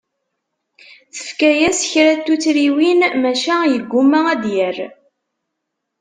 Tefka-yas kra n tuttriwin, maca yegguma ad d-yerr.